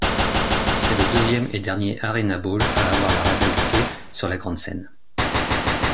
C'est le deuxième et dernier ArenaBowl à avoir la rivalité sur la grande scène.